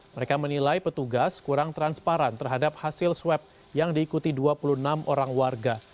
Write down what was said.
mereka menilai petugas kurang transparan terhadap hasil swab yang diikuti dua puluh enam orang warga